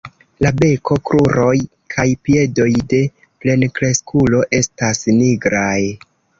La beko, kruroj kaj piedoj de plenkreskulo estas nigraj.